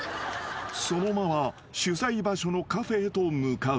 ［そのまま取材場所のカフェへと向かう］